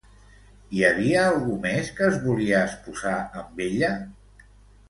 Hi havia algú més que es volia esposar amb ella?